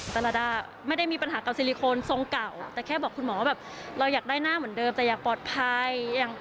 สารดาไม่ได้มีปัญหากับซิลิโคนทรงเก่าแต่แค่บอกคุณหมอว่าแบบเราอยากได้หน้าเหมือนเดิมแต่อยากปลอดภัย